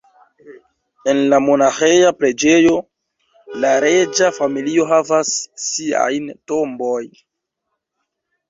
En la monaĥeja preĝejo la reĝa familio havas siajn tombojn.